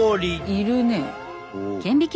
いるね。